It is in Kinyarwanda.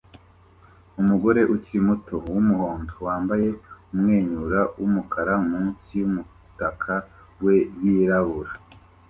Umugore ukiri muto wumuhondo wambaye umwenyura wumukara munsi yumutaka we wirabura